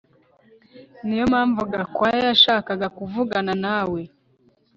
Niyompamvu Gakwaya yashakaga kuvugana nawe